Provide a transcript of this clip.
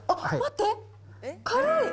軽い。